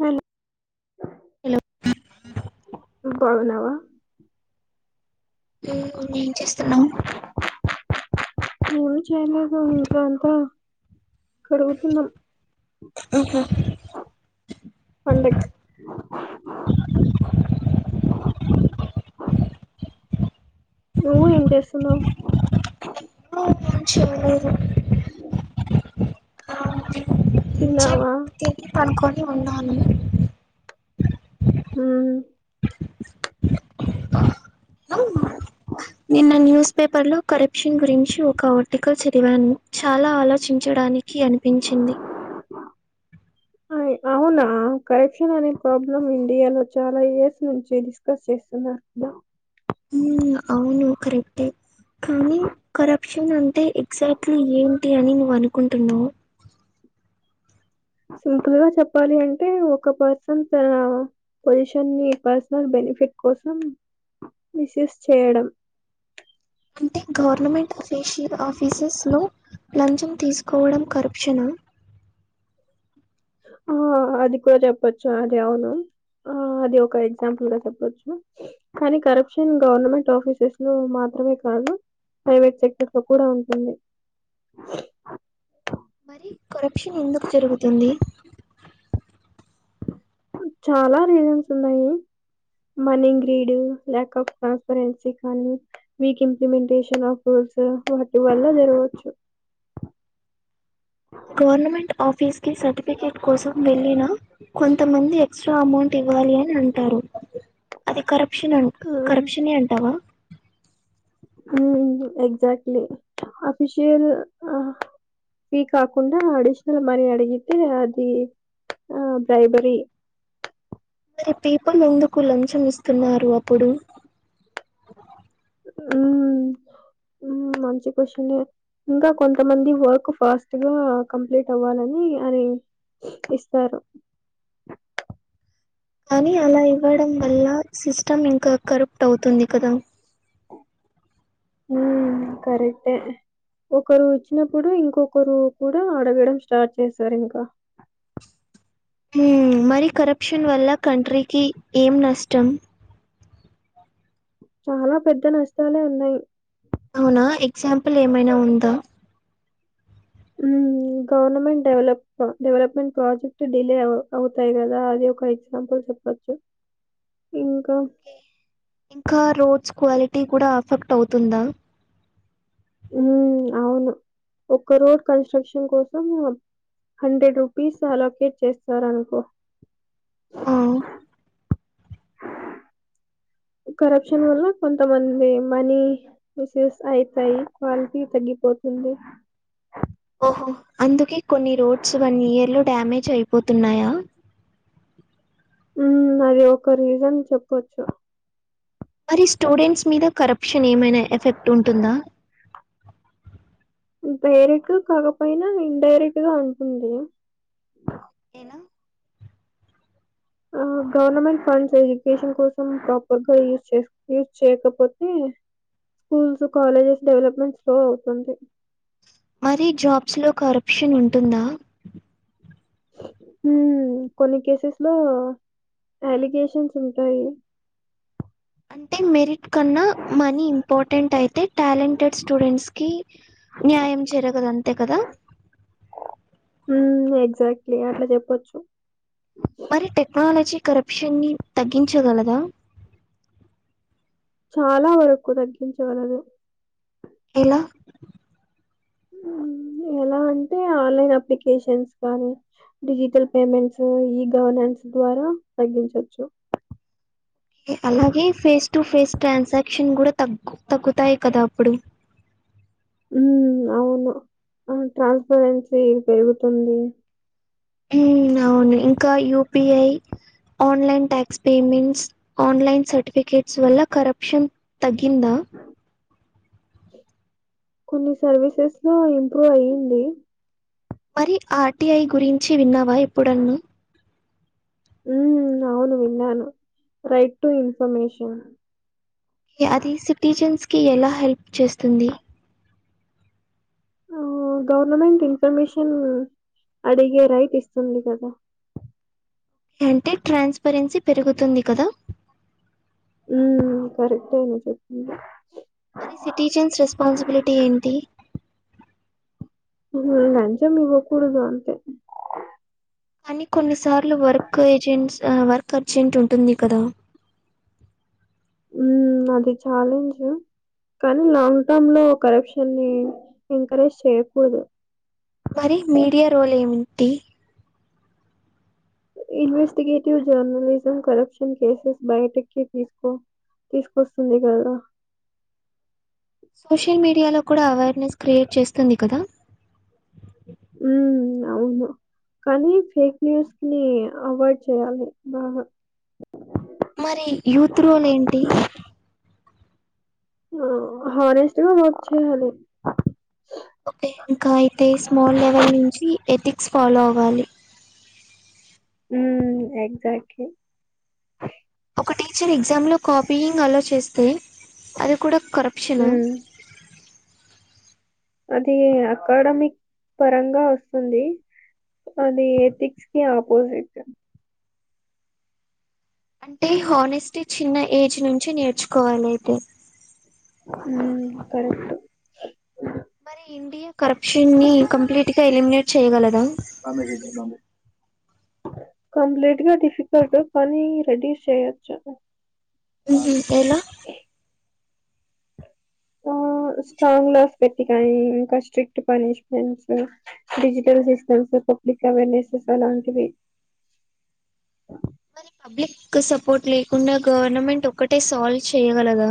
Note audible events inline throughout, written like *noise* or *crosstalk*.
మేలు హలో నువ్ బావున్నావా ఏం ఏం చేస్తున్నావు ఏం చేయలేదు ఇంకా అంతా కడుగుతున్నాం ఊహూ పండక్కి నువ్వు ఏం చేస్తున్నావు చిన్లేదు అ *unintelligible* తిన్నావా తిన్ని పనుకొని ఉన్నాను ఉమ్ నిన్న న్యూస్ పేపర్ లో కరప్షన్ గురించి ఒక ఆర్టికల్ చదివాను చాలా ఆలోచించడాని కి అనిపించింది ఆ అవునా కరప్షన్ అనే ప్రాబ్లం ఇండియాలో చాలా ఇయర్స్ నుంచి డిస్కస్ చేస్తున్నారు మ్ అవును కరే క్టే కానీ కరప్షన్ అంటే ఎగ్జాక్ట్లీ ఏంటి అని నువ్వు అనుకుంటున్నావు సింపుల్ గా చెప్పాలి అంటే ఒక పర్సన్ పొజిషన్ ని పర్సనల్ బెనిఫిట్ కోసం మిస్యూస్ చేయడం అంటే గవర్నమెంట్ అఫీషియల్ ఆఫీసెస్ లో లంచం తీసుకోవడం కరప్షనా ఆ అది కూడా చెప్పచ్చు అది అవును ఆ అది ఒక ఎగ్జాంపుల్ గా చెప్పచ్చు కానీ కరప్షన్ గవర్నమెంట్ ఆఫీసెస్ లో మాత్రమే కాదు ప్రైవేట్ సెక్టర్ లో కూడా ఉంటుంది మరి కరప్షన్ ఎందుకు జరుగుతుంది చాలా రీజన్స్ ఉన్నాయి మనీగ్రీడు ల్యాక్ఆఫ్ ట్రాన్స్పరెన్సీ కానీ వీక్ ఇంప్లిమెంటేషన్ ఆఫ్ రూల్స్ వాటి వల్ల జరగవచ్చు గవర్నమెంట్ ఆఫీస్కి సర్టిఫికేట్ కోసం వెళ్ళిన కొంతమంది ఎక్స్ట్రా అమౌంట్ ఇవ్వాలి అని అంటారు అది కరప్షన్ అన్ కరప్షనే అంటావా మ్ ఎక్జాక్ట్లీ ఆఫిషియల్ ఆ ఫీ కాకుండా అడిషనల్ మనీ అడిగితే అది ఆ బ్రైబరీ మరి పిపుల్ ఎందుకు లంచం ఇస్తున్నారు అప్పుడు మ్ మ్ మంచి కొషనే ఇంకా కొంతమంది వర్క్ ఫాస్ట్ గా కంప్లీట్ అవ్వాలని అని ఇస్తారు కానీ అలా ఇవ్వడం వల్ల సిస్టమ్ ఇంకా కరప్ట్ అవుతుంది కదా మ్ కరెక్టే ఒకరు ఇచ్చినప్పుడు ఇంకొకరు కూడా అడగడం స్టార్ట్ చేశారు ఇంకా మ్ మరి కరప్షన్ వల్ల కంట్రీకి ఏం నష్టం చాలా పెద్ద నష్టాలే ఉన్నయ్ అవునా ఎగ్జాంపుల్ ఏమైనా ఉందా మ్ మ్ government develop development project delay అవుతాయి కదా అది ఒక ఎగ్జాంపుల్ చెప్ పోచ్చు ఇంకా ఇంకా రోడ్స్ క్వాలిటీ కూడా అఫెక్ట్ అవుతుందా మ్ అవును ఒక్క రోడ్ కన్స్ట్రక్షన్ కోసం హండ్రెడ్ రూపీస్ అలొకేట్ చేస్తారనుకో ఆ కరప్షన్ వల్ల కొంతమంది మనీ విస్ యూస్ అయిపోయి క్వాలిటీ తగ్గిపోతుంది ఓహో అందుకే కొన్ని రోడ్స్ వన్ ఇయర్ లో డ్యామేజ్ అయిపోతున్నాయా మ్ అది ఒక రీజన్ చెప్పచ్చు మరి స్టూడెంట్స్ మీద కరప్షన్ ఏమైనా ఎఫెక్ట్ ఉంటుందా డైరెక్ట్ కాకపోయినా ఇన్ డైరెక్ట్ గా ఉంటుంది ఏలా ఆ గవర్నమెంట్ ఫండ్స్ ఎడ్యుకేషన్ కోసం ప్రాపర్ గా యూజ్ చేస్ యూజ్ చేయకపోతే స్కూల్స్ కాలేజెస్ డెవలప్మెంట్ స్లో అవుతుంది మరి జాబ్స్లో కరప్షన్ ఉంటుందా ఊ కొన్ని కేసెస్ లో అలిగేషన్స్ ఉంటాయి అంటే మెరిట్ కన్నా మనీ ఇంపార్టెంట్ అయితే టాలెంటెడ్ స్టూడెంట్స్ కి న్యాయం జరగదు అంతే కదా ఊ ఎగ్జాక్ట్లీ అట్లా చెప్పొచ్చు మరి టెక్నాలజీ కరప్షన్ని తగ్గించగలదా చాలా వరకు తగ్గించగలదు ఎలా ఊ ఎలా అంటే ఆన్లైన్ అప్లికేషన్స్ కానీ డిజిటల్ పేమెంట్స్ ఈ గవర్నెన్స్ ద్వారా తగ్గించవచ్చు అలాగే ఫేస్ టు ఫేస్ ట్రాన్సాక్షన్ కూడా తగ్గు తగ్గుతాయి కదా అప్పుడు ఉ అవును ట్రాన్స్పరెన్సీ పెరుగుతుంది అవును ఇంకా UPI online tax payments online certificates వల్ల కరప్షన్ తగ్గిందా కొన్ని సర్వీసెస్ లో ఇంప్రూవ్ అయ్యింది మరి ఆర్టీఐ గురించి విన్నావా ఎప్పుడన్న ఉ అవును విన్నాను రైట్ టు ఇన్ఫర్మషన్ అది సిటిజన్స్కి ఎలా హెల్ప్ చేస్తుంది ఆ గవర్నమెంట్ ఇన్ఫర్మేషన్ అడిగే రైట్ ఇస్తుంది కదా అంటే ట్రాన్స్పరెన్సీ పెరుగుతుంది కదా ఉ కరెక్ట నువు చెప్పింది మరి సిటిజన్స్ రెస్పాన్సిబిలిటీ ఏంటి లంచమ్ ఇవకూడదు అంతే కాని కొన్నిసార్లు వర్క్ ఏజెంట్స్ వర్క్ అర్జెంట్ ఉంటుంది కదా ఉ అది చాలెంజ్ కానీ లాంగ్ టర్మ్ లో కరప్షన్ని ని ఎంకరేజ్ చేయకూడదు మరి మీడియా రోల్ ఏమిటి ఇన్వెస్టిగేటివ్ జర్నలిజం కరప్షన్ కేసెస్ బయటెక్కి తీసుకో తీసుకొస్తుంది కదా సోషల్ మీడియాలో కూడా అవేర్నెస్ క్రియేట్ చేస్తుంది కదా ఉ అవును కానీ ఫేక్ న్యూస్ ని అవాయిడ్ చేయాలి బాగా మరి యూత్ రోల్ ఏంటి హనేస్టుగా వర్క్ చేయాలి ఓకే ఇంకా అయితే స్మాల్ లెవెల్ నుంచి ఎథిక్స్ ఫాలో అవ్వాలి ఉ ఎక్సెక్ట్లి ఒక టీచర్ ఎగ్జామ్ లో కాపీయింగ్ అలో చేస్తే అది కూడా కరప్షన్ హ్మ్. అది అకాడమిక్ పరంగా వస్తుంది అ ఎథక్స్ కి ఆపోజిట్ అంటే హానెస్టీ చిన్న ఏజ్ నుంచి నేర్చుకోవాలి అయితే కరెక్ట్ మరి ఇండియా కరప్షన్ని కంప్లీట్గా ఎలిమినేట్ చేయగలదా బమే చెద్దామ్ కంప్లీట్ గా డిఫికల్ట్ కాని రెడీ చేయొచ్చు ఊహు ఎలా స్ట్రాంగ్ లాస్ పెట్టి కాయి ఇంకా strict punishments digital systems public awareness అలాంటివి మరి పబ్లిక్ సపోర్ట్ లేకుండా గవర్నమెంట్ ఒక్కటే సాల్వ్ చేయగలదా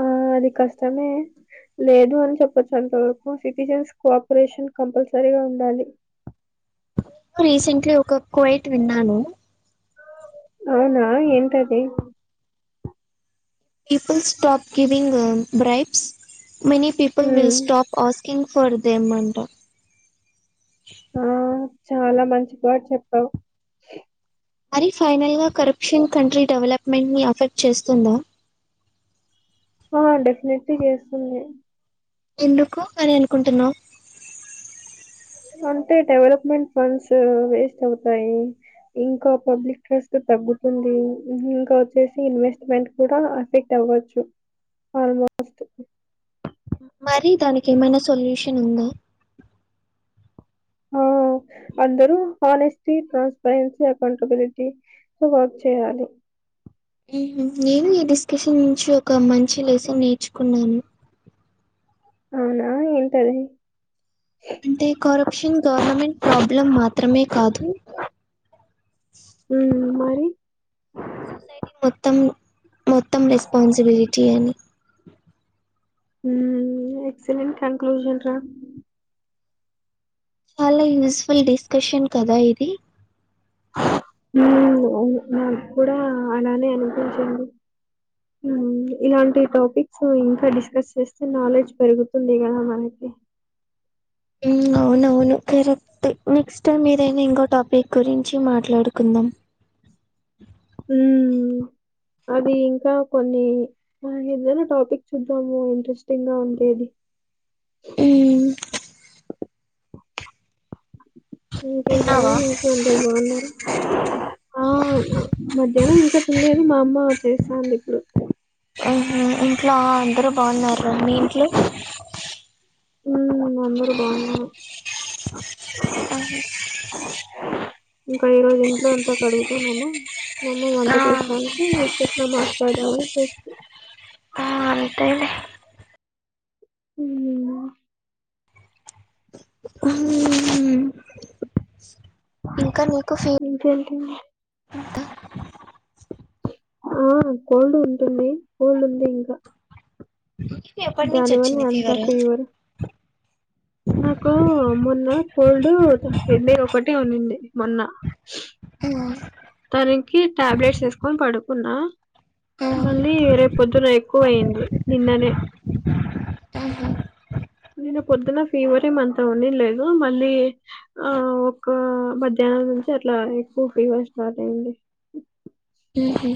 ఆ అది కష్టమే లేదు అని చెప్పొచ్చు అంతవరకు సిటిజన్స్ కోఆపరేషన్ కంపల్సరీగా ఉండాలి రీసెంట్లీ ఒక క్వైట్ విన్నాను అవునా ఏంటది people stop giving bribes many people will um stop asking for them అంట ఆ చాలా మంచి మాట చెప్పావు మరి ఫైనల్ గా కరప్షన్ కంట్రీ డెవలప్మెంట్ ని ఎఫెక్ట్ చేస్తుందా ఆ డెఫినెట్లీ చేస్తుంది ఎందుకు అని అనుకుంటున్నావ్ అంటే డెవలప్మెంట్ ఫండ్స్ వేస్ట్ అవుతాయి ఇంకా పబ్లిక్ ట్రస్ట్ తగ్గుతుంది ఇంకా వచ్చేసి ఇన్వెస్ట్మెంట్ కూడా అఫెక్ట్ అవ్వచ్చు ఆల్మోస్ట్ మరి దానికి ఏమైనా సొల్యూషన్ ఉందా ఆ అందరు హనెస్టిటీ ట్రాన్స్పరెన్సీ అకౌంటబిలిటీ వర్క్ చేయ్యాలి నేను ఈ డిస్కషన్ నుంచి ఒక మంచి లెసన్ నేర్చుకున్నాను అవునా ఏంటది అంటే కరప్షన్ గవర్నమెంట్ ప్రాబ్లం మాత్రమే కాదు *inaudible* ఉ మరి సొసైటీ మొత్తం మొత్తం రెస్పాన్సిబిలిటీ అని ఉ ఎక్సలెంట్ కన్క్లూషన్ రా చాలా యూస్ఫుల్ డిస్కషన్ కదా ఇది ఊ నాకు కూడా అలానే అనిపించింది మ్మ్ ఇలాంటి టాపిక్స్ ఇంకా డిస్కస్ చేస్తే నాలెడ్జ్ పెరుగుతుంది కదా మనకి హ్మ్ అవునవును కరెక్ట్ నెక్స్ట్ టైం ఏదైనా ఇంకో టాపిక్ గురించి మాట్లాడుకుందాం ఉ అది ఇంకా కొన్ని ఏదైనా టాపిక్ చూద్దాము ఇంట్రెస్టింగ్ గా ఉంటేది ఉ ఇంకేంటి కానీ తిన్నావా? ఇంట్లో అందరు బాగున్నార ఆ మధ్యాహ్నం ఇంకా తిన్లేదు మా అమ్మ చేస్తాంది ఇప్పుడు ఆహా ఇంట్లో అందరు బాగున్నారు రా మీ ఇంట్లో ఉమ్ అందరు బాగున్నారు ఆహా ఇంకా ఈరోజు ఇంట్లో అంతా కడుగుతాన్నాము మామ్మ వంట చేస్తాంది ఊరికే అట్లా మాట్లాడదమని ఆ అంతేలే ఉ ఊ ఇంకా నీకు ఫ ఇంకేంటండి ఆ కోల్డ్ ఉంటుంది కోల్డ్ ఉంది ఇంక *unintelligible* దాని వల్ల వచ్చింది అంత ఫీవరు ఫీవర్ నాకూ మొన్న కోల్డ్ ఒక హెడ్డే ఒకటే ఉన్నింది మొన్న ఆ తనికి టాబ్లెట్స్ ఏసుకొన్ పడుకున్నా మళ్ళీ రేపొద్దున ఎక్కువయింది నిన్ననే నిన పొద్దున ఫీవర్ ఏం అంత ఉండిన్లేదు మళ్ళీ ఆ ఒక మధ్యాహ్నం నుంచి అట్లా ఎక్కువ ఫీవర్ స్టార్ట్ అయింది ఊహు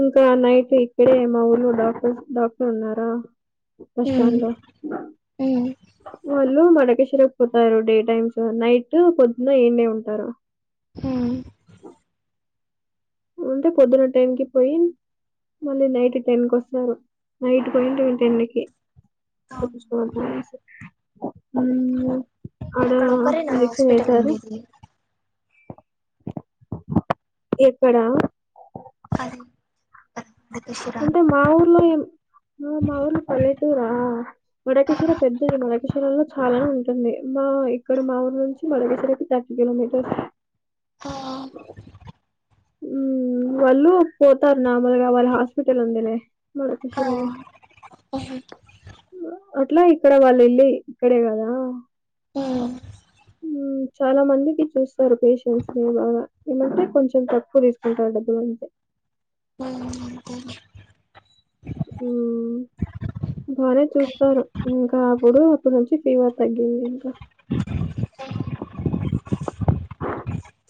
ఇంకా నైట్ ఇక్కడే మా ఊర్లో డాక్టర్స్ డాక్టర్ ఉన్నారా బస్ స్టాండ్ లో వాళ్ళు మడకేశరకు పోతారు డే టైమ్స్ నైట్ పొద్దున ఈడ్నే ఉంటారు ఉంటె పొద్దున టెయిన్ కి పొయ్ మళ్ళీ నైట్ టెన్ కొస్సారు నైట్ పోయిండు టెన్ కి ఊ ఆడూ అక్కడ ఒకరేనా ఇంజక్షన్ హాస్పిటల్ వేసారు ఉండేది కడా హది అంటే మా ఊర్లో ఏం మ మా ఊర్లు పల్లెటూరా మడకేశ్వర పెద్దది మడకేశ్వర లో చాలానే ఉంటుంది మా ఇక్కడ మా ఊరు నుంచి మడకేశ్వరకి తగ్ కిలోమీటర్స్ ఆ ఊ వాళ్ళు పోతార్ నార్మల్గా వాళ్ళు హాస్పిటల్ ఉండెలే మడకేశ్వరలో అట్లా ఇక్కడ వాళ్ళ ఇళ్ళు ఇక్కడే గదా ఊ చాలా మందికి ఇచ్చస్తారు పేషెంట్స్ ని బాగా ఏందంటే కొంచెం తె కు తీస్కుంటవంట బా ఉంటే ఊ అంతేలే ఊ బానే చూస్తారు ఇంకా అప్పుడు అప్పుడు నుంచి ఫీవర్ తగ్గింది ఇంక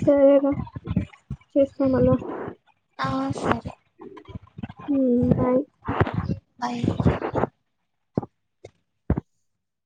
సరేరా చేస్తా మళ్ళ ఆ సరే ఊమ్ బాయ్ బాయ్